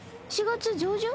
４月上旬？